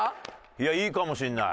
いやいいかもしれない。